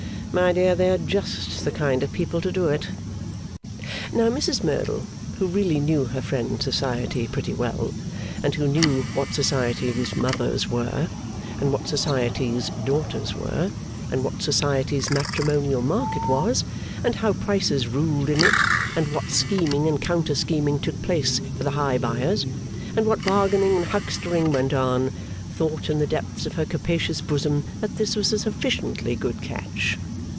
My dear, they are just the kind of people to do it.' Now, Mrs Merdle, who really knew her friend Society pretty well, and who knew what Society's mothers were, and what Society's daughters were, and what Society's matrimonial market was, and how prices ruled in it, and what scheming and counter scheming took place for the high buyers, and what bargaining and huckstering went on, thought in the depths of her capacious bosom that this was a sufficiently good catch.